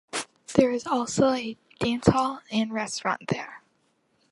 There is also a dance hall and restaurant there.